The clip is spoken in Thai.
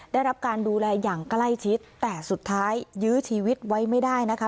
ได้รับการดูแลอย่างใกล้ชิดแต่สุดท้ายยื้อชีวิตไว้ไม่ได้นะคะ